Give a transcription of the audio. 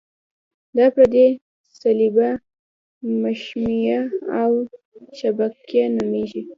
دا پردې صلبیه، مشیمیه او شبکیه نومیږي.